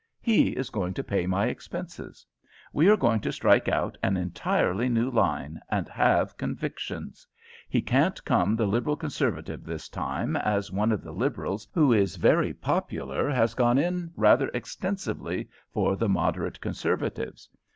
He is going to pay my expenses. We are going to strike out an entirely new line, and have convictions. He can't come the Liberal Conservative this time, as one of the Liberals who is very popular has gone in rather extensively for the Moderate Conservatives.